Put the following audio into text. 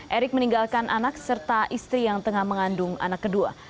erick meninggalkan anak serta istri yang tengah mengandung anak kedua